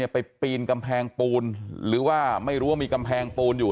ไปปีนกำแพงปูนหรือว่าไม่รู้ว่ามีกำแพงปูนอยู่